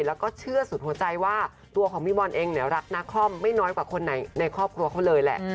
แล้วก็เชื่อสุดหัวใจว่าตัวของพี่บอลเองเนี่ยรักนาคอมไม่น้อยกว่าคนในครอบครัวเขาเลยแหละ